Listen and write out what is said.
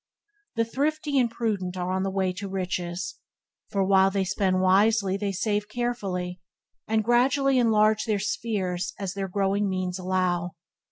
The thrifty and prudent are on the way to riches, for while they spend wisely they save carefully, and gradually enlarge their spheres as their growing means allow.